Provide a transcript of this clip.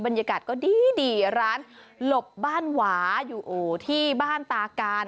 บรรยากาศก็ดีร้านหลบบ้านหวาอยู่ที่บ้านตาการ